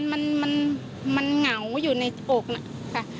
มันเว้งมันเหงาอยู่ในอกค่ะ